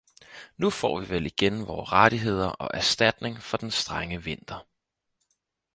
Nu får vi vel igen vore rettigheder og erstatning for den strenge vinter!